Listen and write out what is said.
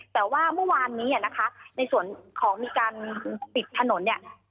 แต่ว่าเมื่อวานนี้ในส่วนของมีการปิดถนน